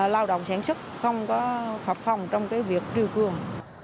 lao động sản xuất không có phập phòng trong cái việc trừ cường